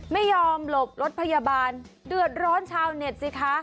ไม่ยอมหลบรถพยาบาลเดือดร้อนชาวเน็ตสิคะ